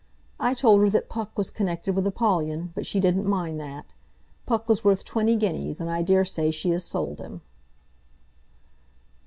I told her that Puck was connected with Apollyon, but she didn't mind that. Puck was worth twenty guineas, and I daresay she has sold him."